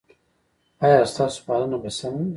ایا ستاسو پالنه به سمه وي؟